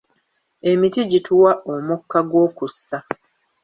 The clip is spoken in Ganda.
Emiti gituwa omukka gw'okussa.